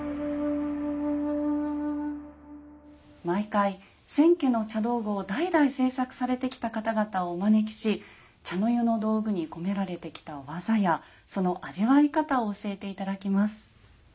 毎回千家の茶道具を代々制作されてきた方々をお招きし茶の湯の道具に込められてきた技やその味わい方を教えて頂きます。